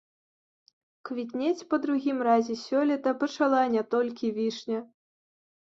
Квітнець па другім разе сёлета пачала не толькі вішня.